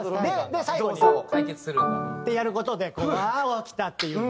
で最後。ってやる事でああー起きたっていう。